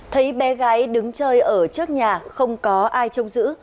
thấy bé gái đứng chơi ở trước nhà không có ai trông giữ